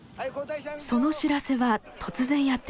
その知らせは突然やって来ました。